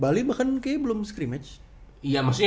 bali bahkan kayaknya belum scrimage